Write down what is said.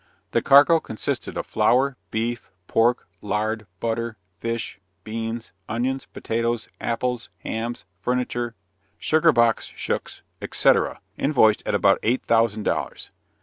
The cargo consisted of flour, beef, pork, lard, butter, fish, beans, onions, potatoes, apples, hams, furniture, sugar box shooks, &c., invoiced at about eight thousand dollars.